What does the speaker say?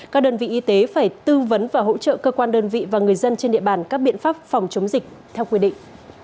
các đơn vị y tế phải tư vấn và hỗ trợ cơ quan đơn vị và người dân trên địa bàn các biện pháp phòng chống dịch theo quy định